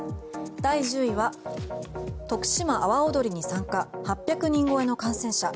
第１０位は徳島、阿波おどりに参加８００人超えの感染者。